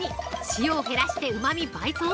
塩を減らしてうまみ倍増！？